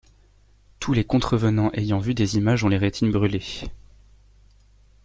Tous les contrevenants ayant vu des images ont les rétines brûlées.